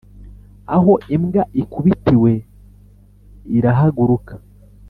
Aho imbwa ikubitiwe irahagaruka.